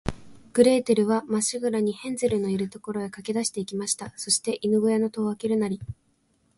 グレーテルは、まっしぐらに、ヘンゼルのいる所へかけだして行きました。そして、犬ごやの戸をあけるなり、